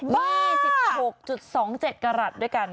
บ้านี่๑๖๒๗กรัสด้วยกัน